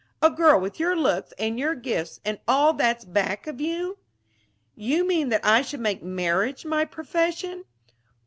A girl with your looks and your gifts and all that's back of you." "You mean that I should make marriage my profession?"